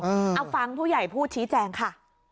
เอาฟังผู้ใหญ่พูดชี้แจงค่ะ